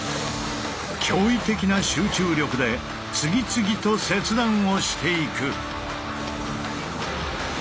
驚異的な集中力で次々と切断をしていく。